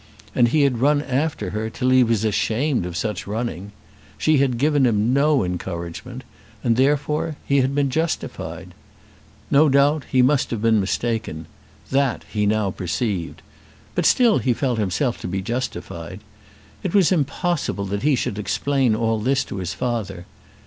And he had run after her, till he was ashamed of such running. She had given him no encouragement; and therefore he had been justified. No doubt he must have been mistaken; that he now perceived; but still he felt himself to be justified. It was impossible that he should explain all this to his father.